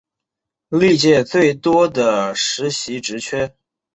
历届最多的实习职缺